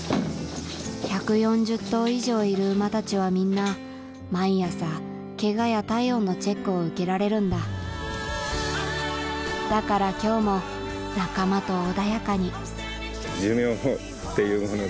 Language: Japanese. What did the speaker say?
１４０頭以上いる馬たちはみんな毎朝ケガや体温のチェックを受けられるんだだから今日も仲間と穏やかに幸せを願えばきっとウマくいく